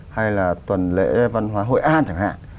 hay là tuần lễ văn hóa hội an chẳng hạn